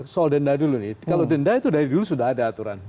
soal denda dulu nih kalau denda itu dari dulu sudah ada aturan